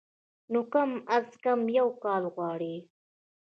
نو کم از کم يو کال غواړي